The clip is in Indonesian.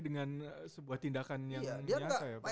dengan sebuah tindakan yang nyata ya pak